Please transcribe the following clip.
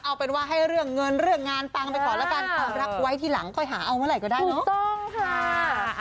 เอาเป็นว่าให้เรื่องเงินเรื่องงานปังไปก่อนแล้วกันความรักไว้ทีหลังค่อยหาเอาเมื่อไหร่ก็ได้เนอะ